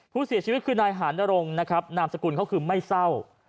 ผู้เสียชีวิตคือนายหานรงค์นะครับนามสกุลเขาคือไม่เศร้า